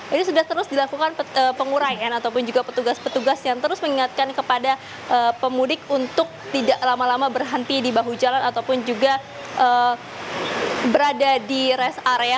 ini sudah terus dilakukan penguraian ataupun juga petugas petugas yang terus mengingatkan kepada pemudik untuk tidak lama lama berhenti di bahu jalan ataupun juga berada di rest area